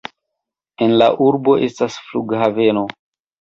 En la urbo estas flughaveno.